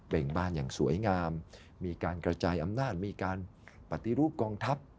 ่งบ้านอย่างสวยงามมีการกระจายอำนาจมีการปฏิรูปกองทัพ